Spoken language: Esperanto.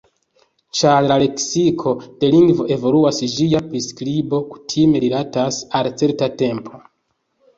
Ĉar la leksiko de lingvo evoluas, ĝia priskribo kutime rilatas al certa tempo.